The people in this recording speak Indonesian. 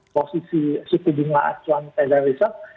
posisi setidaknya acuan pedagang riset